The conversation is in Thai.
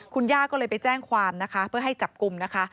คุณย่าก็เลยไปแจ้งความนะคะเพื่อให้จับกลุ่มนะคะ